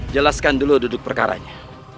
jelaskan dulu duduk perkaranya